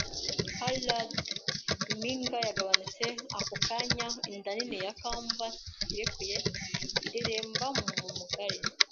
halyards. Impinga yagabanutse ako kanya, inda nini ya canvas irekuye ireremba mugari